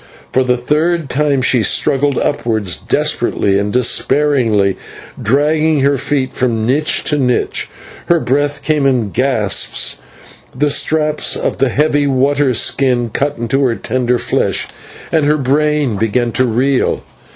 For the third time she struggled upwards, desperately and despairingly dragging her feet from niche to niche. Her breath came in gasps, the straps of the heavy water skin cut into her tender flesh, and her brain began to reel.